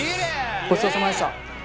ごちそうさまでした！